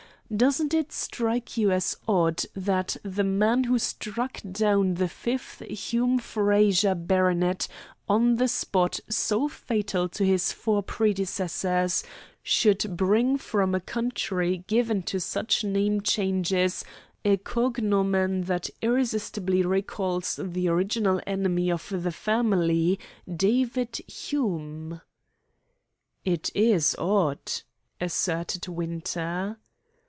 Doesn't it strike you as odd that the man who struck down the fifth Hume Frazer baronet on the spot so fatal to his four predecessors, should bring from a country given to such name changes a cognomen that irresistibly recalls the original enemy of the family, David Hume?" "It is odd," asserted Winter.